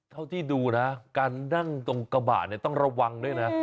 เท่าที่ดูนะการนั่งตรงกระบะเนี่ยต้องระวังด้วยนะ